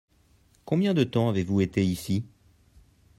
Combien de temps avez-vous été ici ?